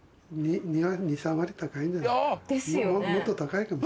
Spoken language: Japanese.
もっと高いかも。